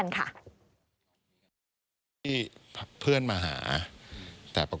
นี่ค่ะคุณผู้ชมพอเราคุยกับเพื่อนบ้านเสร็จแล้วนะน้า